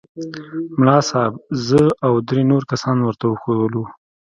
ملا صاحب زه او درې نور کسان ورته وښوولو.